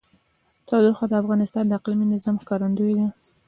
تودوخه د افغانستان د اقلیمي نظام ښکارندوی ده.